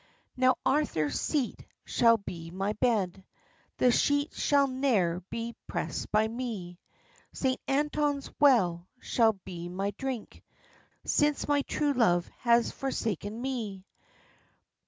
Now Arthur's Seat shall be my bed, The sheets shall ne'er be pressed by me, St. Anton's well shall be my drink, Since my true love has forsaken me.